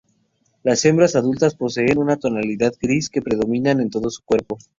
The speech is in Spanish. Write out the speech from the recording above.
Las hembras adultas poseen una tonalidad gris que predomina en todo su cuerpo.